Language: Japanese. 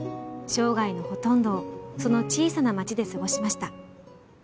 生涯のほとんどをその小さな町で過ごしました。